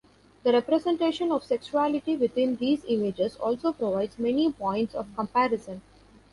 The representation of sexuality within these images also provides many points of comparison.